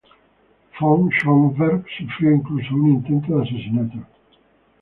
Von Schönberg sufrió incluso un intento de asesinato.